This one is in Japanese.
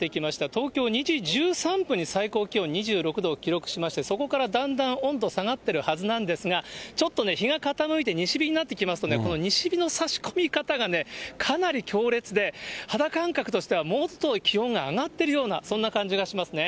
東京、２時１３分に最高気温２６度を記録しまして、そこからだんだん温度下がってるはずなんですが、ちょっとね、日が傾いて、西日になってきますとね、この西日のさし込み方がかなり強烈で、肌感覚としてはもうちょっと気温が上がってるような、そんな感じがしますね。